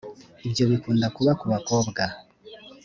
ibyo bikunda kuba ku bakobwa